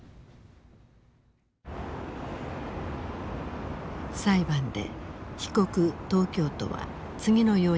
裁判で被告東京都は次のように主張している。